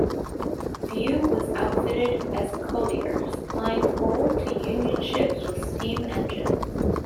View was outfitted as a collier, supplying coal to Union ships with steam engines.